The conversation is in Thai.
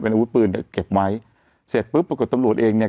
อาวุธปืนเนี่ยเก็บไว้เสร็จปุ๊บปรากฏตำรวจเองเนี่ย